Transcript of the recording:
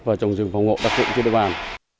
và trồng rừng phòng ngộ đặc trị trên địa bàn